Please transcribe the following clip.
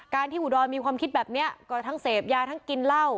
ที่อุดรมีความคิดแบบนี้ก็ทั้งเสพยาทั้งกินเหล้า